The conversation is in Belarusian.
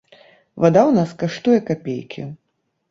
Вада ў нас каштуе капейкі.